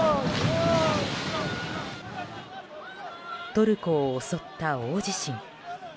トルコを襲った大地震。